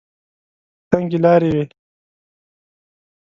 تنګې لارې وې.